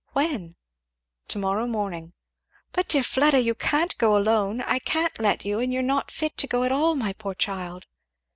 "When?" "To morrow morning." "But dear Fleda, you can't go alone! I can't let you, and you're not fit to go at all, my poor child!